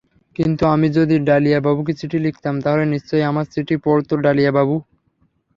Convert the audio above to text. কিন্তু আমি যদি ডালিয়াবুকে চিঠি লিখতাম, তাহলে নিশ্চয়ই আমার চিঠি পড়ত ডালিয়াবু।